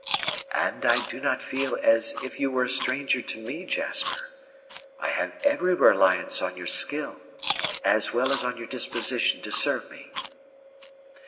"And I do not feel as if you were a stranger to me, Jasper. I have every reliance on your skill, as well as on your disposition to serve me."